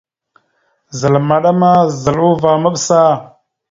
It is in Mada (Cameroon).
Zal maɗa ma, zal uvah maɓəsa.